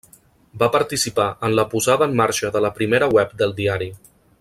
Va participar en la posada en marxa de la primera web del diari.